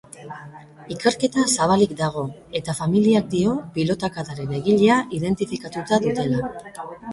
Ikerketa zabalik dago, eta familiak dio pilotakadaren egilea identifikatuta dutela.